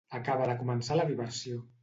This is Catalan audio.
Acaba de començar la diversió.